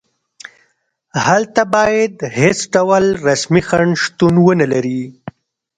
هلته باید هېڅ ډول رسمي خنډ شتون ونلري.